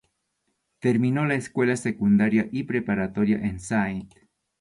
Terminó la escuela secundaria y preparatoria en St.